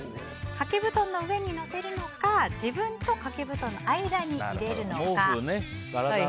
掛け布団の上にのせるのか自分と掛け布団の間に入れるのか。